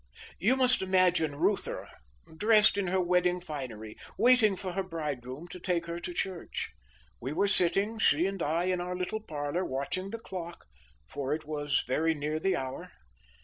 You must imagine Reuther, dressed in her wedding finery, waiting for her bridegroom to take her to church. We were sitting, she and I, in our little parlour, watching the clock, for it was very near the hour.